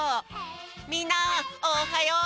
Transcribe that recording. みんなおっはよう！